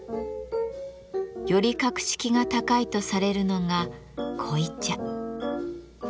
より格式が高いとされるのが濃茶。